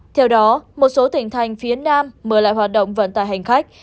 theo đó một số tỉnh thành phía nam mở lại hoạt động vận tải hành khách